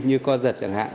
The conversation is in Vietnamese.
như co giật chẳng hạn